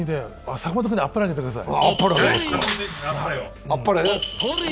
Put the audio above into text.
坂本君にあっぱれあげてください。